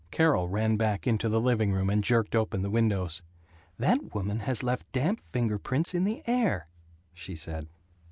Carol ran back into the living room and jerked open the windows. "That woman has left damp finger prints in the air," she said.